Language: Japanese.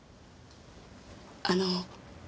あの。